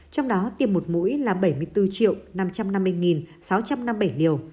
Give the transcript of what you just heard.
trong đó tiêm một mũi là bảy mươi bốn năm trăm năm mươi sáu trăm năm mươi bảy liều